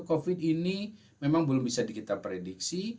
covid ini memang belum bisa kita prediksi